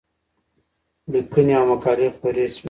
لیکنې او مقالې خپرې شوې.